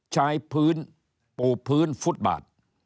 ใช้พื้นปูพื้นฟุตบาท